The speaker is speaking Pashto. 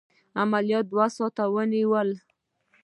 عملیات دوه ساعته ونیول.